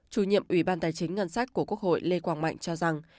chủ nhiệm ủy ban tài chính ngân sách của quốc hội lê quang mạnh cho rằng